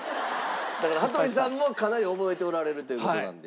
だから羽鳥さんもかなり覚えておられるという事なんで。